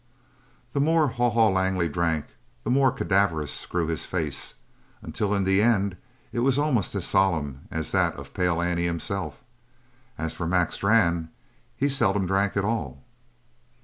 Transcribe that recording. The more Haw Haw Langley drank the more cadaverous grew his face, until in the end it was almost as solemn as that of Pale Annie himself; as for Mac Strann, he seldom drank at all.